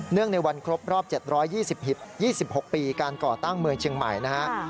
เนื่องในวันครบรอบ๗๒๖ปีการก่อตั้งเมืองเจียงใหม่นะครับ